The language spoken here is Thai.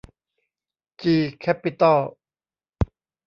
จี แคปปิตอล